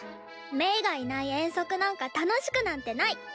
鳴がいない遠足なんか楽しくなんてない。